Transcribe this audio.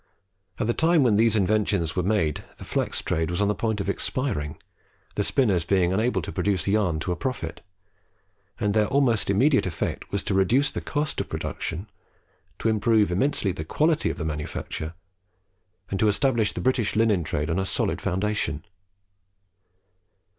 At the time when these inventions were made the flax trade was on the point of expiring, the spinners being unable to produce yarn to a profit; and their almost immediate effect was to reduce the cost of production, to improve immensely the quality of the manufacture, and to establish the British linen trade on a solid foundation.